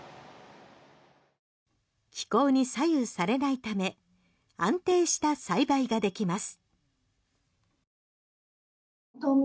気候に左右されないため安定した栽培ができます。